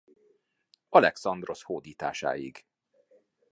Alexandrosz hódításáig.